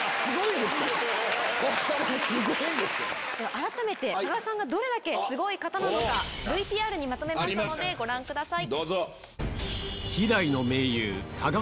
改めて鹿賀さんがどれだけすごい方なのかＶＴＲにまとめましたのでご覧ください。